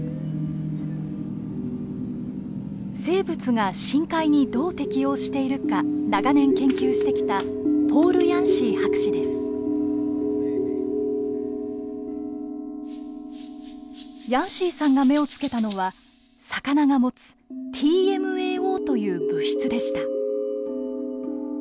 生物が深海にどう適応しているか長年研究してきたヤンシーさんが目をつけたのは魚が持つＴＭＡＯという物質でした。